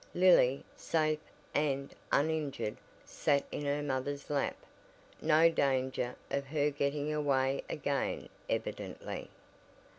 Lily, safe and uninjured, sat in her mother's lap no danger of her getting away again evidently.